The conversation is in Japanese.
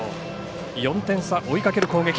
４点差を追いかける攻撃。